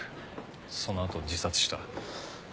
そのあと自殺した。